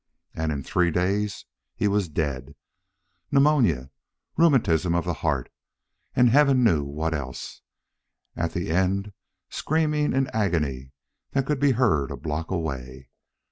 And in three days he was dead pneumonia, rheumatism of the heart, and heaven knew what else at the end screaming in agony that could be heard a block away.